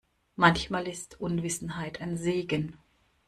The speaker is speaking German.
Manchmal ist Unwissenheit ein Segen.